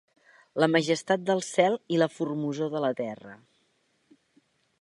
La majestat del cel i la formosor de la terra